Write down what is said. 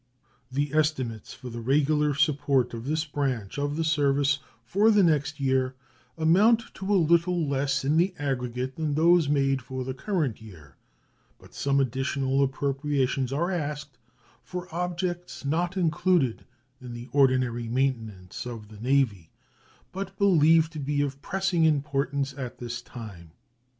The estimates for the regular support of this branch of the service for the next year amount to a little less in the aggregate than those made for the current year; but some additional appropriations are asked for objects not included in the ordinary maintenance of the Navy, but believed to be of pressing importance at this time.